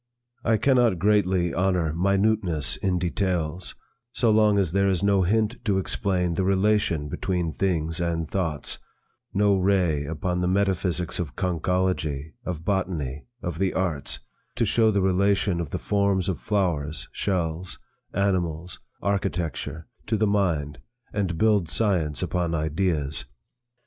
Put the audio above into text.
I cannot greatly honor minuteness in details, so long as there is no hint to explain the relation between things and thoughts; no ray upon the metaphysics of conchology, of botany, of the arts, to show the relation of the forms of flowers, shells, animals, architecture, to the mind, and build science upon ideas.